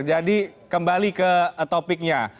jadi kembali ke topiknya